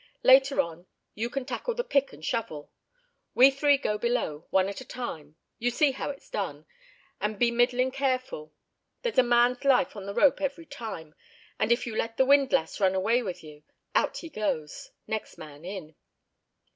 Later on, you can tackle the pick and shovel. We three go below, one at a time, you see how it's done, and be middlin' careful: there's a man's life on the rope every time, and if you let the windlass run away with you, out he goes! Next man in."